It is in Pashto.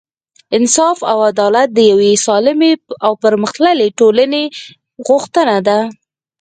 انصاف او عدالت د یوې سالمې او پرمختللې ټولنې غوښتنه ده.